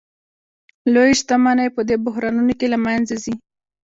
لویې شتمنۍ په دې بحرانونو کې له منځه ځي